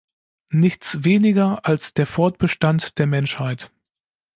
Nichts weniger als der Fortbestand der Menschheit!